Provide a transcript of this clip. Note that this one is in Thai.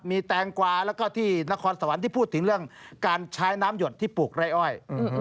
มีแตงกวาแล้วก็ที่นครสวรรค์ที่พูดถึงเรื่องการใช้น้ำหยดที่ปลูกไร่อ้อย